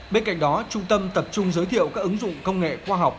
bên cạnh đó trung tâm tập trung giới thiệu các ứng dụng công nghệ khoa học